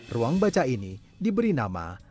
ruang baca ini dibuat untuk mencari penyelesaian